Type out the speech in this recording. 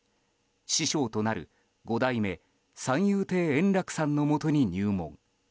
師匠となる五代目三遊亭圓楽さんのもとに入門。